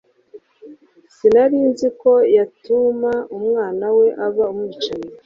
Sinarinziko yatuma umwana we aba umwicanyi